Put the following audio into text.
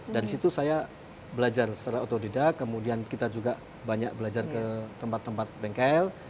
dari situ saya belajar secara otodidak kemudian kita juga banyak belajar ke tempat tempat bengkel